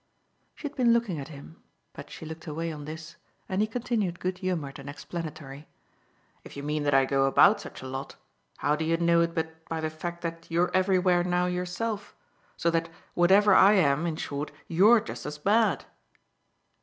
She had been looking at him, but she looked away on this, and he continued good humoured and explanatory. "If you mean that I go about such a lot, how do you know it but by the fact that you're everywhere now yourself? so that, whatever I am, in short, you're just as bad."